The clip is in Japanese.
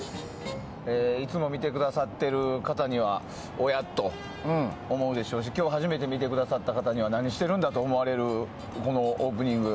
いつも見てくださっている方はおや？と思うでしょうし今日初めて見てくださった方には何してるんだ？と思われるこのオープニング。